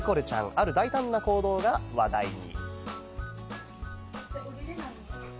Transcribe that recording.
ある大胆な行動が話題に。